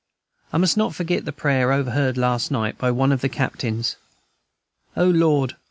I must not forget the prayer overheard last night by one of the captains: "O Lord!